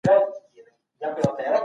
بهرنی سیاست د ملي هویت ساتونکی دی.